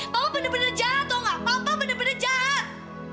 papa bener bener jahat tau gak papa bener bener jahat